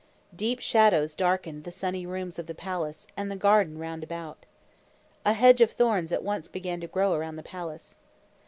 Deep shadows darkened the sunny rooms of the palace, and the garden round about. A hedge of thorns at once began to grow around the palace.